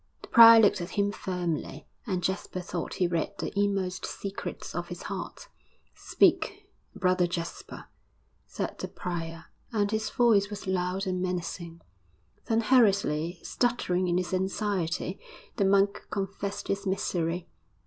The prior looked at him firmly, and Jasper thought he read the inmost secrets of his heart. 'Speak, Brother Jasper!' said the prior, and his voice was loud and menacing. Then hurriedly, stuttering in his anxiety, the monk confessed his misery....